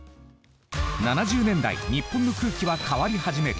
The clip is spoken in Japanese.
７０年代、日本の空気は変わり始める。